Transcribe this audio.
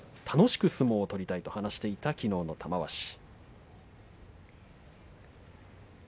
楽しく相撲を取りたいと話していた玉鷲。